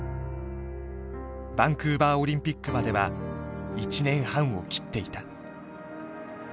バンクーバーオリンピックまでは１年半を切っていた。